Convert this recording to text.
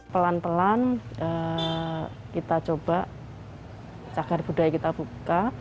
pelan pelan kita coba cagar budaya kita buka